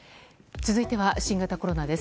続いては新型コロナです。